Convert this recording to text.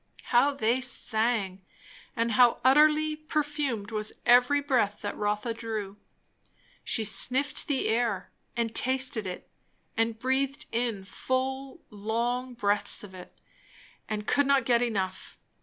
How they sang! and how utterly perfumed was every breath that Rotha drew. She sniffed the air and tasted it, and breathed in full long breaths of it, and could not get enough.